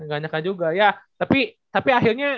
ganyakan juga ya tapi